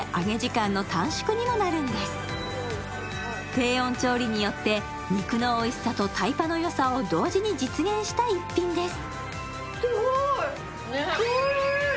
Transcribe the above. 低温調理によって肉のおいしさとタイパのよさを同時に実現した逸品です。